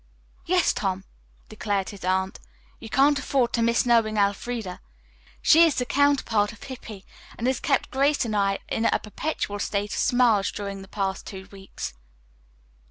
"Yes, Tom," declared his aunt, "you can't afford to miss knowing Elfreda. She is the counterpart of Hippy, and has kept Grace and I in a perpetual state of smiles during the past two weeks."